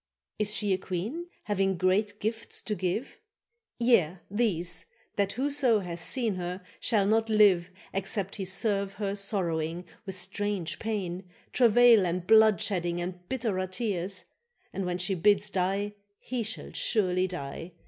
—Is she a queen, having great gifts to give? —Yea, these; that whoso hath seen her shall not live Except he serve her sorrowing, with strange pain, Travail and bloodshedding and bitterer tears; And when she bids die he shall surely die.